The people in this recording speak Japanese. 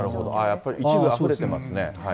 やっぱり一部あふれてますね。